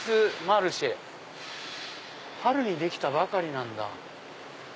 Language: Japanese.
春にできたばかりなんだ。